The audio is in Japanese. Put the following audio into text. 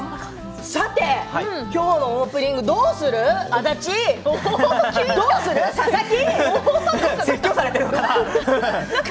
さて今日のオープニングどうする、足立どうする、佐々木。